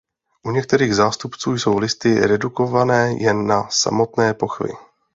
U některých zástupců jsou listy redukované jen na samotné pochvy.